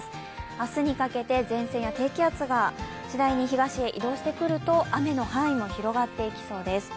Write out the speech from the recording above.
明日にかけて前線や低気圧が次第に東へ移動してくれると雨の範囲も広がっていきそうです。